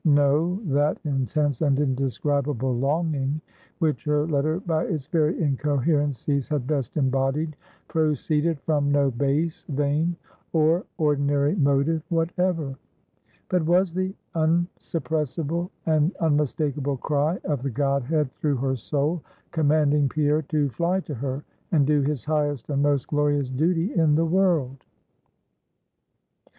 No. That intense and indescribable longing, which her letter by its very incoherencies had best embodied, proceeded from no base, vain, or ordinary motive whatever; but was the unsuppressible and unmistakable cry of the godhead through her soul, commanding Pierre to fly to her, and do his highest and most glorious duty in the world.